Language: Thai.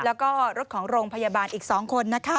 แล้วก็รถของโรงพยาบาลอีก๒คนนะคะ